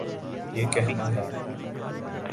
یہ کہنا ہے۔